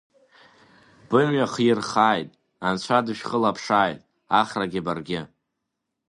Бымҩа хирхааит, Анцәа дышәхылаԥшааит Ахрагьы баргьы.